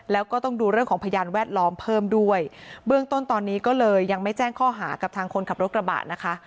แล้วก็ต้องดูเรื่องของพยานแวดล้อมเพิ่มด้วยเบื้องต้นตอนนี้ก็เลยยังไม่แจ้งข้อหากับทางคนขับรถกระบะนะคะ